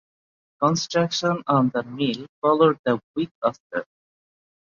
Construction on the mill followed the week after.